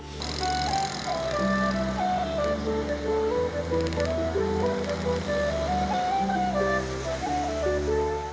terima kasih pak hendrik